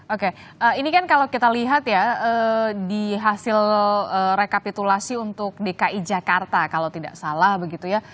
oke ini kan kalau kita lihat ya di hasil rekapitulasi untuk dki jakarta kalau tidak salah begitu ya